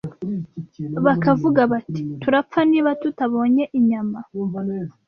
bakavuga bati: Turapfa niba tutabonye inyama